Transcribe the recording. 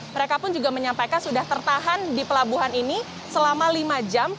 mereka pun juga menyampaikan sudah tertahan di pelabuhan ini selama lima jam